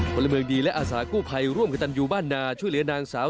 บริเมิงดีและอาสากู้ไภร่วมคือตันอยู่บ้านนช่วยเหลือนางสาว